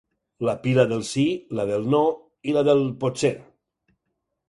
La pila del sí, la del no i la del potser.